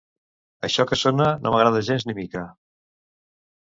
Això que sona no m'agrada gens ni mica.